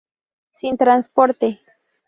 Sin transporte.